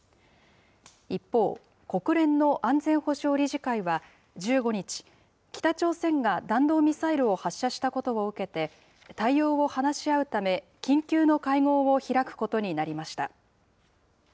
一方、国連の安全保障理事会は、１５日、北朝鮮が弾道ミサイルを発射したことを受けて、対応を話し合うため、緊急の会合を開くことになりました。